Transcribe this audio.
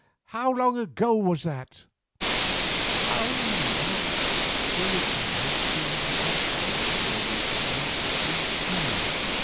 How long was that ago?" "How long! Well, it might be one hour, and it might be two.